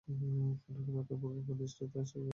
কেননা, বাক্যের পূর্বাপর দৃষ্টে তা স্পষ্ট বোঝা যায়।